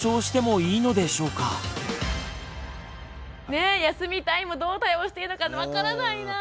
ねえ「休みたい」もどう対応していいのか分からないなあ。